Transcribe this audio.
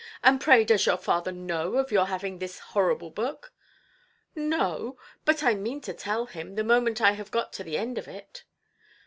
and pray does your father know of your having this horrible book"? "No; but I mean to tell him, the moment I have got to the end of it".